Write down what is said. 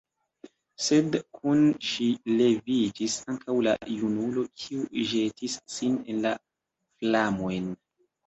Sed kun ŝi leviĝis ankaŭ la junulo, kiu ĵetis sin en la flamojn.